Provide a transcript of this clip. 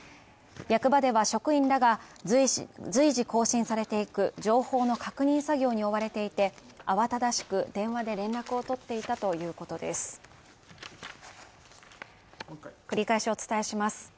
役場では職員らが、随時更新されていく情報の確認作業に追われていて、慌ただしく電話で連絡を取っていたということです